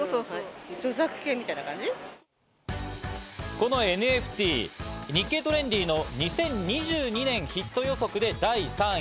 このＮＦＴ、『日経トレンディ』の２０２２年ヒット予測で第３位。